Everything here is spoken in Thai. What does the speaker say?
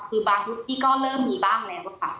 คือบางยุคที่ก็เริ่มมีบ้างแล้วค่ะ